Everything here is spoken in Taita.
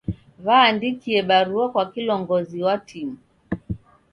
W'aandikie barua kwa kilongozi wa timu.